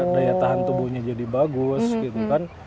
daya tahan tubuhnya jadi bagus gitu kan